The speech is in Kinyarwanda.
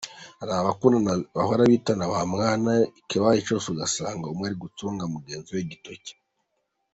Hari abakundana bahora bitana bamwana ikibaye cyose ugasanga umwe aratunga mugenzi we agatoki.